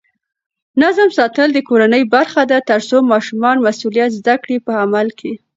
نظم ساتل د کورنۍ برخه ده ترڅو ماشومان مسؤلیت زده کړي په عمل کې.